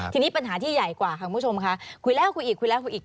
ทีนี้ปัญหาที่ใหญ่กว่าค่ะคุณผู้ชมค่ะคุยแล้วคุยอีกคุยแล้วคุยอีก